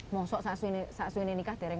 masa dulu nikah sekarang